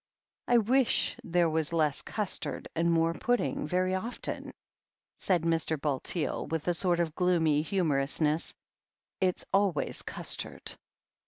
"I wish there was less custard and more pudding, very often," said Mr. Bulteel, with a sort of gloomy himiorousness. "It's always custard."